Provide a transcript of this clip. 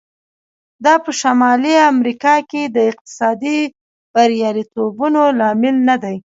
دا په شمالي امریکا کې د اقتصادي بریالیتوبونو لامل نه دی.